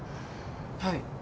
はい。